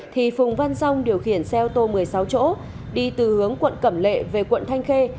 thì phùng văn rong điều khiển xe ô tô một mươi sáu chỗ đi từ hướng quận cẩm lệ về quận thanh khê